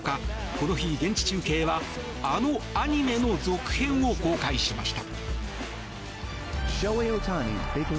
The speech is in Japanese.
この日、現地中継はあのアニメの続編を公開しました。